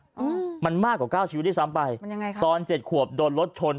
อืมมันมากกว่าเก้าชีวิตด้วยซ้ำไปมันยังไงคะตอนเจ็ดขวบโดนรถชน